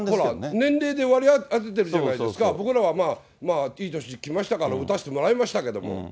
年齢で割り当ててるじゃないですか、僕らはまあ、いい年きましたから打たせてもらいましたけど。